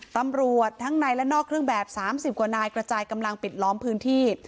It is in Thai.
ตำรวจทั้งในและนอกเครื่องแบบ๓๐กว่านายกระจายกำลังปิดล้อมพื้นที่